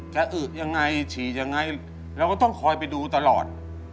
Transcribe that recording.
แกอึกอย่างไรฉีกอย่างไรเราก็ต้องคอยไปดูตลอด